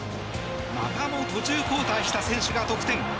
またも途中交代した選手が得点。